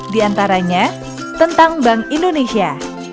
di antaranya tentang bank indonesia